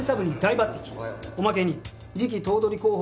おまけに次期頭取候補